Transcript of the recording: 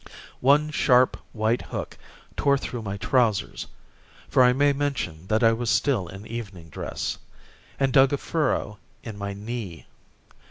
One sharp, white hook tore through my trousers for I may mention that I was still in evening dress and dug a furrow in my knee.